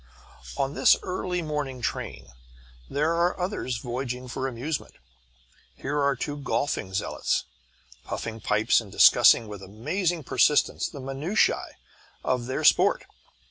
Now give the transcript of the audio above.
On this early morning train there are others voyaging for amusement. Here are two golfing zealots, puffing pipes and discussing with amazing persistence the minutiæ of their sport.